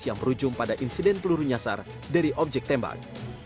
yang berujung pada insiden peluru nyasar dari objek tembak